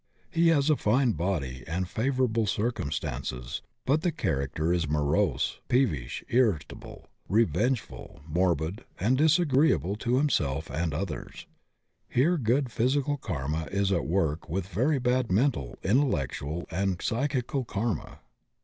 He has a fine body and favor able circumstances, but the character is morose, peev ish, irritable, revengeful, morbid, and disagreeable to himself and others. Here good physical karma is at work with very bad mental, intellectual, and psychical karma.